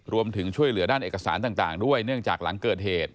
รวมถึงช่วยเหลือด้านเอกสารต่างด้วยเนื่องจากหลังเกิดเหตุ